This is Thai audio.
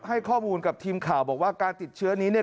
ให้ข้อมูลกับทีมข่าวบอกว่าการติดเชื้อนี้เนี่ย